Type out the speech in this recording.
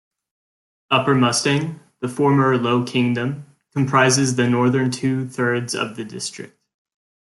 Upper Mustang, the former "Lo Kingdom" comprises the northern two-thirds of the district.